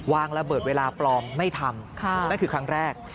วางระเบิดเวลาปลอมไม่ทำนั่นคือครั้งแรก